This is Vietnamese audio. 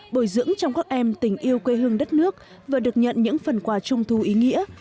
bồi dưỡng trong các em tình yêu quê hương đất nước vừa được nhận những phần quà trung thu ý nghĩa